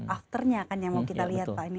afternya kan yang mau kita lihat pak ini